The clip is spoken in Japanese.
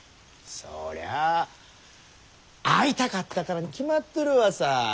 そりゃあ会いたかったからに決まっとるわさ！